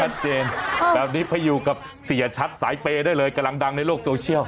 แบบนี้ไปอยู่กับเสียชัดสายเปย์ได้เลยกำลังดังในโลกโซเชียล